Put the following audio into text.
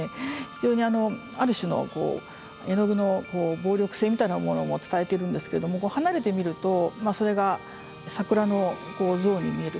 非常にある種のこう絵の具の暴力性みたいなものも伝えてるんですけども離れて見るとそれが桜の像に見える。